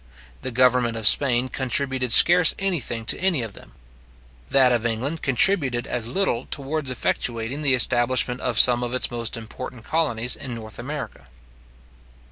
The government of Spain contributed scarce any thing to any of them. That of England contributed as little towards effectuating the establishment of some of its most important colonies in North America.